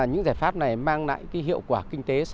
những giải pháp này mang lại hiệu quả kinh tế